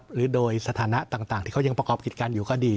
หรือโดยสถานะต่างที่เขายังประกอบกิจการอยู่ก็ดี